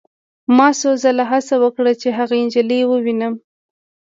ما څو ځله هڅه وکړه چې هغه نجلۍ ووینم